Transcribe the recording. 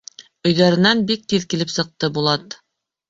Өйҙәренән бик тиҙ килеп сыҡты Булат.